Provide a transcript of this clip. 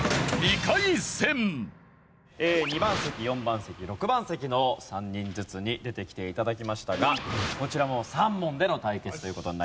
２番席４番席６番席の３人ずつに出てきて頂きましたがこちらも３問での対決という事になります。